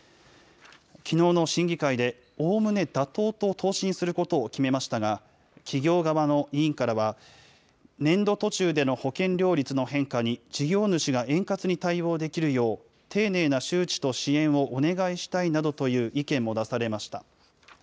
きのうの審議会で、おおむね妥当と答申することを決めましたが、企業側の委員からは、年度途中での保険料率の変化に事業主が円滑に対応できるよう、丁寧な周知と支援をお願いしたいなどという意見も出されました。